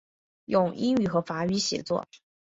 用英语和法语写作。